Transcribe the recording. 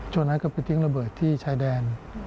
ช่วงนั้นก็ไปทิ้งระเบิดที่ชายแดน